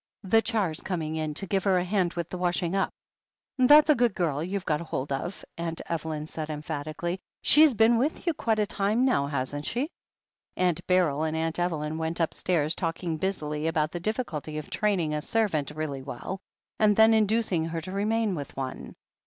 The char's coming in to give her a hand with the washing up." "That's a good girl you've got hold of," Aunt Evelyn said emphatically. "She's been with you quite a time now, hasn't she?" 200 THE HEEL OF ACHILLES Aunt Beryl and Aunt Evelyn went upstairs, talking busily about the difficulty of training a servant really welly and then inducing her to remain with one.